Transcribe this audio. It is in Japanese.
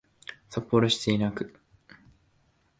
札幌市手稲区